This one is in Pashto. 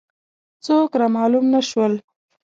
څوک را معلوم نه شول.